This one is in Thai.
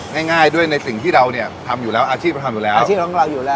ง่ายง่ายด้วยในสิ่งที่เราเนี่ยทำอยู่แล้วอาชีพเราทำอยู่แล้วอาชีพของเราอยู่แล้ว